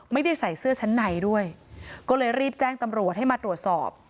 ไม่ได้ใส่เสื้อชั้นในด้วยก็เลยรีบแจ้งตำรวจให้มาตรวจสอบ